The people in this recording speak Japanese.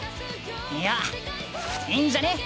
いやいいんじゃね？